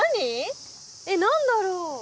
えっ何だろう。